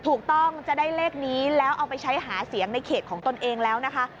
ถูกต้องจะได้เลขนี้แล้วเอาไปใช้หาเสียงในเขตของตนเองแล้วนะคะ